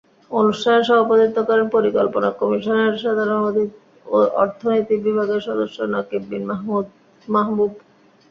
অনুষ্ঠানে সভাপতিত্ব করেন পরিকল্পনা কমিশনের সাধারণ অর্থনীতি বিভাগের সদস্য নকিব বিন মাহবুব।